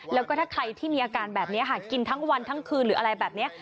แล้วก็ถ้าใครที่มีอาการแบบนี้ค่ะกินทั้งวันทั้งคืนหรืออะไรแบบนี้